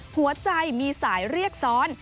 หัวใจมีสายเรียกซ้อน